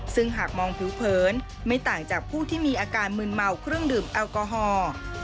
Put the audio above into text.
ซึ่งหากมองผิวเผินไม่ต่างจากผู้ที่มีอาการมืนเมาเครื่องดื่มแอลกอฮอล์